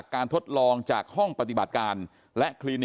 ก็คือเป็นการสร้างภูมิต้านทานหมู่ทั่วโลกด้วยค่ะ